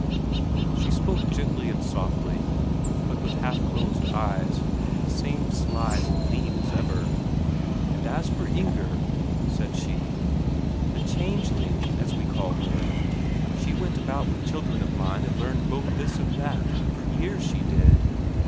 She spake softly and gently, but with half closed eyes, the same sly Oline as ever. "And as for Inger," said she, "the changeling, as we called her, she went about with children of mine and learned both this and that, for years she did.